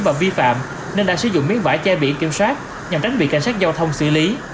và vi phạm nên đã sử dụng miếng vải che biển kiểm soát nhằm tránh bị cảnh sát giao thông xử lý